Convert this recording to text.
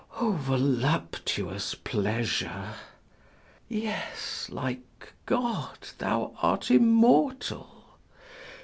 O voluptuous pleasure! Yes, like God, thou art immortal!